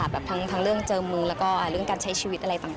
ทั้งเรื่องเจอมือแล้วก็เรื่องการใช้ชีวิตอะไรต่าง